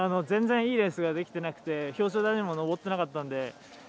全然いいレースができていなくて表彰台にも上っていなかったので。